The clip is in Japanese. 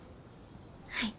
はい。